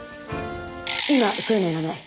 今そういうのいらない。